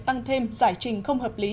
tăng thêm giải trình không hợp lý